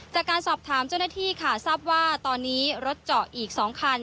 จากการสอบถามเจ้าหน้าที่ค่ะทราบว่าตอนนี้รถเจาะอีก๒คัน